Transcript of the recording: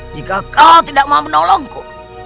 jika kau tidak mau menolongku